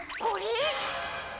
これ？